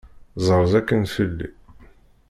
Ẓeṛṛeẓ akin fell-i!